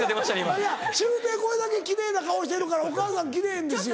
いやシュウペイこれだけ奇麗な顔してるからお母さん奇麗ですよ。